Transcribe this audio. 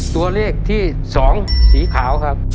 ตัวเลขที่๒สีขาวครับ